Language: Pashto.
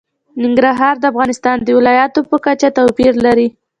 ننګرهار د افغانستان د ولایاتو په کچه توپیر لري.